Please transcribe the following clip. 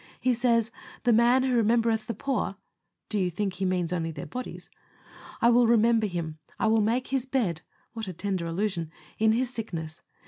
He says, "The man who remembereth the poor (do you think He means only their bodies?), I will remember him; I will make his bed (what a tender allusion!) in his sickness."